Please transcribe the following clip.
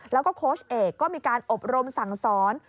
แล้วก็โค้ชเอกก็มีการอบรมสั่งสอน